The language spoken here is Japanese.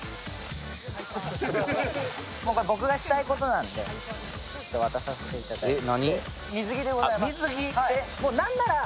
僕がしたいことなんで、渡させていただきます。